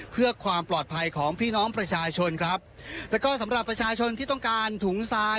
เพื่อความปลอดภัยของพี่น้องประชาชนครับแล้วก็สำหรับประชาชนที่ต้องการถุงทราย